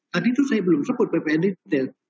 tadi itu saya belum sebut ppn retail